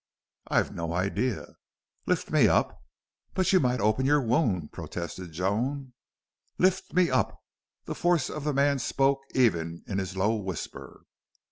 "I've no idea." "Lift me up." "But you might open your wound," protested Joan. "Lift me up!" The force of the man spoke even in his low whisper.